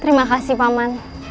terima kasih paman